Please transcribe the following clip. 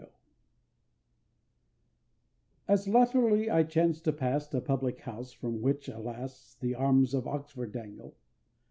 ] As latterly I chanced to pass A Public House, from which, alas! The Arms of Oxford dangle!